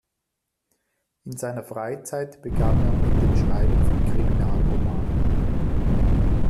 In seiner Freizeit begann er mit dem Schreiben von Kriminalromanen.